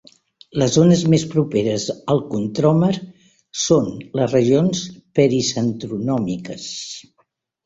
Les zones més properes al centròmer són les regions pericentronòmiques.